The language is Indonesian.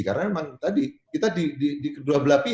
karena memang tadi kita di kedua belah pihak